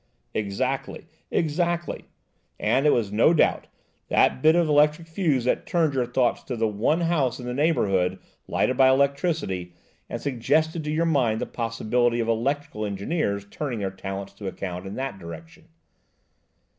"Exactly, exactly. And it was no doubt, that bit of electric fuse that turned your thoughts to the one house in the neighbourhood lighted by electricity, and suggested to your mind the possibility of electrical engineers turning their talents to account in that direction.